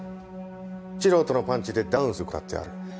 素人のパンチでダウンする事だってある。